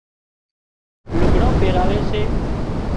لگھڙان پيراوي سي